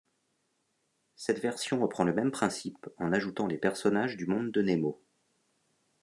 Cette version reprend le même principe en ajoutant les personnages du Monde de Nemo.